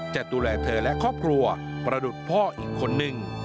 จะดูแลเธอและครอบครัวประดุษย์พ่ออีกคนนึง